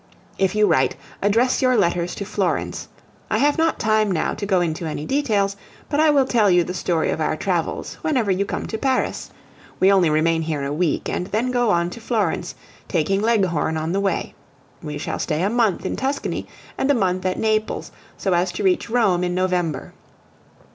If you write, address your letters to Florence. I have not time now to go into any details, but I will tell you the story of our travels whenever you come to Paris. We only remain here a week, and then go on to Florence, taking Leghorn on the way. We shall stay a month in Tuscany and a month at Naples, so as to reach Rome in November.